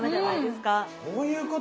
そういうこと？